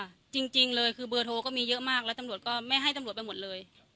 จริงจริงเลยคือเบอร์โทรก็มีเยอะมากแล้วตำรวจก็ไม่ให้ตำรวจไปหมดเลย